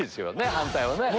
反対はね。